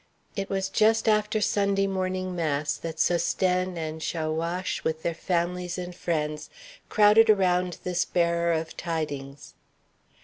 It was just after Sunday morning mass that Sosthène and Chaouache, with their families and friends, crowded around this bearer of tidings.